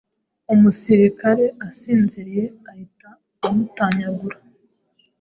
Umusirikare asinziriyeahita amutanyagura